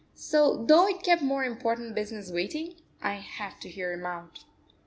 So, though it kept more important business waiting, I had to hear him out.